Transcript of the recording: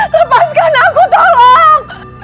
lepaskan aku tolong